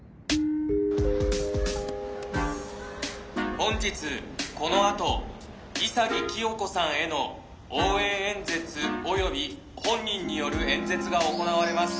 「本日このあと潔清子さんへの応援演説および本人による演説が行われます。